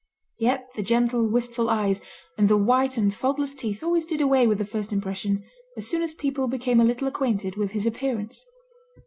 Yet the gentle, wistful eyes, and the white and faultless teeth always did away with the first impression as soon as people became a little acquainted with his appearance.